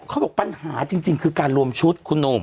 เขาบอกปัญหาจริงคือการรวมชุดคุณหนุ่ม